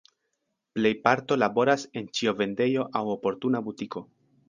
Plejparto laboras en ĉiovendejo aŭ oportuna butiko.